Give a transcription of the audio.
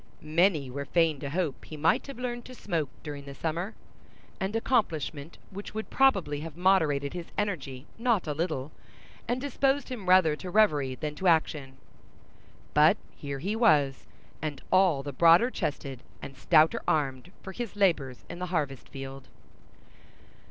Many were fain to hope he might have learned to smoke during the summer, an accomplishment which would probably have moderated his energy not a little, and disposed him rather to reverie than to action. But here he was, and all the broader chested and stouter armed for his labors in the harvest field.